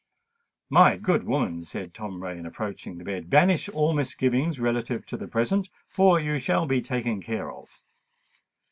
"My good woman," said Tom Rain, approaching the bed, "banish all misgivings relative to the present; for you shall be taken care of."